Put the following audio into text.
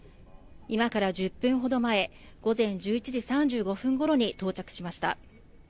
今から１０分ほど前午前１１時３５分ごろに到着しました。